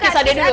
kis adek dulu